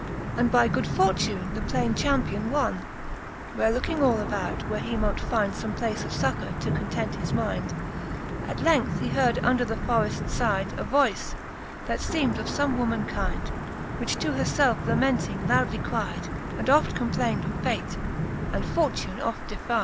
And by good fortune the plaine champion wonne : Where looking all about, where he mote fynd Some place of fuccour to content his mynd, At length he heard under the forreft's fyde A voice, that feemed of fome woman kynd, Which to her felfe lamenting loudly cryde, And oft complayn'd of fate, and fortune oft defyde.